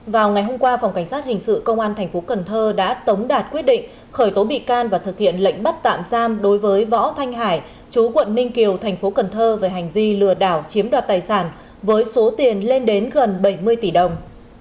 vào ngày hôm qua phòng cảnh sát hình sự công an tp cn đã tống đạt quyết định khởi tố bị can và thực hiện lệnh bắt tạm giam đối với võ thanh hải chú quận ninh kiều thành phố cần thơ về hành vi lừa đảo chiếm đoạt tài sản với số tiền lên đến gần bảy mươi tỷ đồng